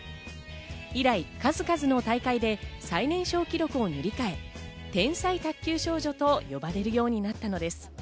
以来、数々の大会で最年少記録を塗り替え、天才卓球少女と呼ばれるようになったのです。